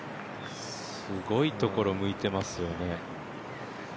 すごいところ向いてますよね。